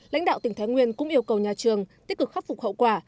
lãnh đạo tỉnh thái nguyên cũng yêu cầu nhà trường tích cực khắc phục hậu quả